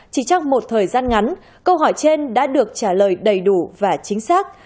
chỉ trong một thời gian ngắn câu hỏi trên đã được trả lời đầy đủ và chính xác